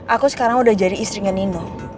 aku sekarang udah jadi istri nge nino